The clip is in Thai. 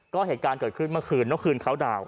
ก็เหตุการณ์เกิดขึ้นเมื่อคืนเมื่อคืนเขาดาวน